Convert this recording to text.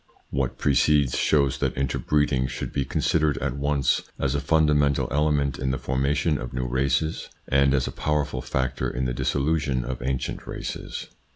What precedes shows that interbreeding should be considered at once as a fundamental element in the formation of new races and as a powerful factor in the dissolution of ancient races.